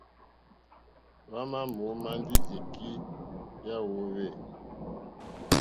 Hwámà mǒmá ndí èkí yá hwōhwê.